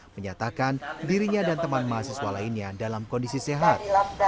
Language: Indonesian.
menyatakan dirinya dan teman mahasiswa lainnya dalam kondisi sehat